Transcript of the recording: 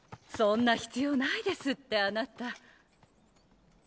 そんな必要ないですってあなた。